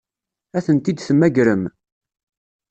Ad tent-id-temmagrem?